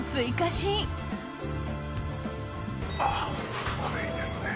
すごいですね。